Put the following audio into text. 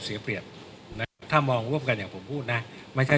เสียเปรียบนะถ้ามองร่วมกันอย่างผมพูดนะไม่ใช่